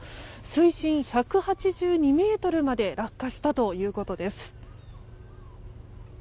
水深１８２ｍまで落下したということです。